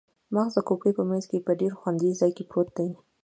مغز د کوپړۍ په مینځ کې په ډیر خوندي ځای کې پروت دی